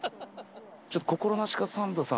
ちょっと心なしかサンドさん